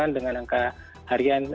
tujuh dengan angka harian